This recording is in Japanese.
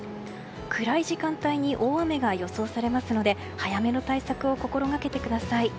暗い時間帯に大雨が予想されますので早めの対策を心掛けてください。